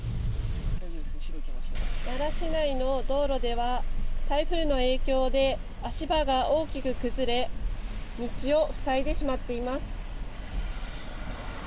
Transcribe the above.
奈良市内の道路では台風の影響で足場が大きく崩れ道を塞いでしまっています。